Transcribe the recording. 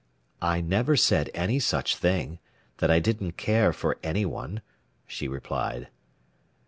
"I never said any such thing that I didn't care for any one," she replied.